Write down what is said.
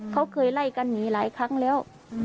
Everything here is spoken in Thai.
เขาเคยไล่กันหนีหลายครั้งแล้ว